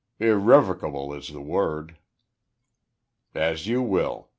"Irrevocable, is the word." "As you will....